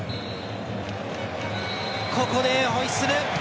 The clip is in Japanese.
ここでホイッスル。